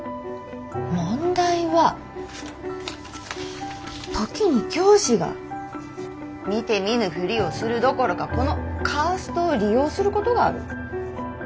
問題は時に教師が見て見ぬふりをするどころかこのカーストを利用することがある。